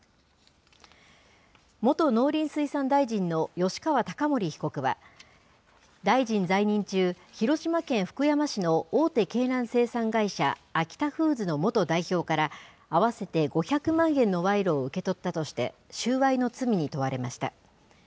元農林水産大臣の吉川貴盛被告は、大臣在任中、広島県福山市の大手鶏卵生産会社、アキタフーズの元代表から、合わせて５００万円の賄賂を受け取ったとして、収賄の罪に問われました。